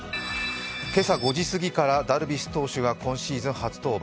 今朝５時すぎからダルビッシュ投手が今シーズン初登板。